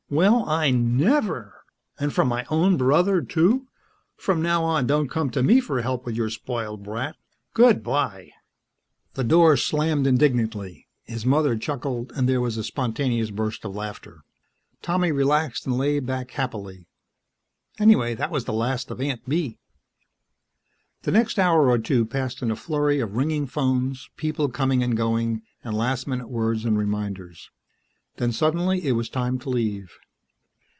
"Well! I never! And from my own brother, too. From now on don't come to me for help with your spoiled brat. Good bye!" The door slammed indignantly, his mother chuckled, and there was a spontaneous burst of laughter. Tommy relaxed and lay back happily. Anyway, that was the last of Aunt Bee! The next hour or two passed in a flurry of ringing phones, people coming and going, and last minute words and reminders. Then suddenly it was time to leave.